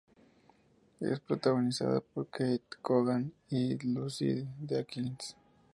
Es protagonizada por Keith Coogan y Lucy Deakins.